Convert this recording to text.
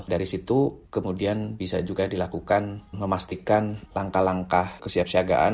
dari situ kemudian bisa juga dilakukan memastikan langkah langkah kesiapsiagaan